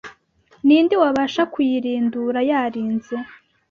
Ni nde wabasha kuyirindura yarinze